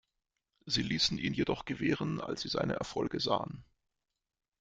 Sie ließen ihn jedoch gewähren, als sie seine Erfolge sahen.